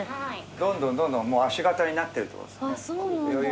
どんどんどんどん足型になってるってことですね。